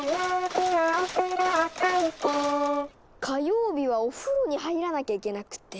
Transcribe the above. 火曜日はおふろに入らなきゃいけなくて。